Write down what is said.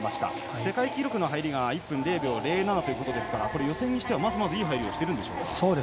世界記録の入りが１分０秒０７なので予選にしては、まずまずいい入りをしてるんでしょうか。